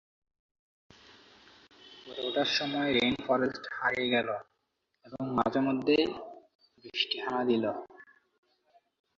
ওপরে ওঠার সময় রেইন ফরেস্ট হারিয়ে গেল এবং মাঝেমধ্যেই বৃষ্টি হানা দিল।